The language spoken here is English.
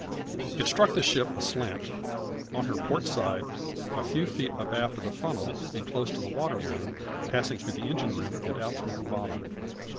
It struck the ship aslant, on her port side, a few feet abaft the funnel and close to the water line, passing through the engine room and out through her bottom.